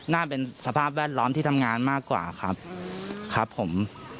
สภาพเป็นสภาพแวดล้อมที่ทำงานมากกว่าครับครับผม